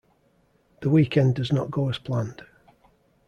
The weekend does not go as planned.